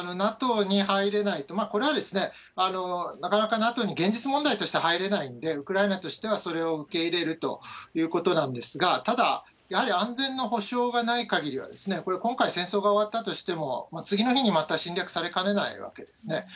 ＮＡＴＯに入れないと、これは、なかなかＮＡＴＯに現実問題としては入れないんで、ウクライナとしてはそれを受け入れるということなんですが、ただ、やはり安全の保障がない限りは、これは今回戦争が終わったとしても、次の日にまた侵略されかねないわけですね。